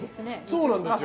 そうなんですよ。